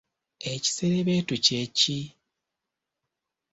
Ekiserebetu kye ki?